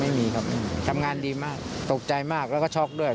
ไม่มีครับไม่มีทำงานดีมากตกใจมากแล้วก็ช็อกด้วย